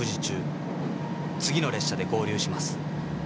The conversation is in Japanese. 「次の列車で合流します」